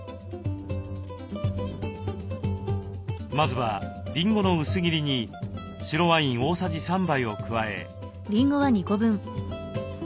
まずはりんごの薄切りに白ワイン大さじ３杯を加え。